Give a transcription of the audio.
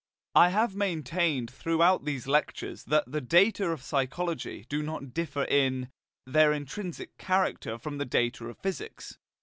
I have maintained throughout these lectures that the data of psychology do not differ in, their intrinsic character from the data of physics.